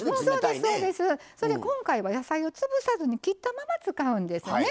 それで今回は野菜を潰さずに切ったまま使うんですね。